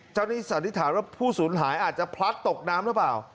หนี้สันนิษฐานว่าผู้สูญหายอาจจะพลัดตกน้ำหรือเปล่า